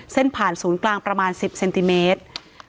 เส้นผ่านศูนย์กลางประมาณ๑๐เซนติเมตร